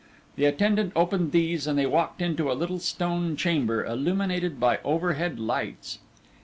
The attendant opened these and they walked into a little stone chamber, illuminated by overhead lights.